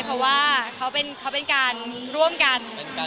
เพราะว่าเขาเป็นการร่วมกัน